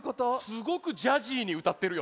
すごくジャジーにうたってるよね。